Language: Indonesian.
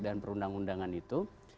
dengan perundang undangan itu